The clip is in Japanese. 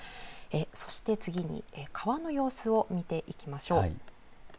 そして次に川の様子を見ていきましょう。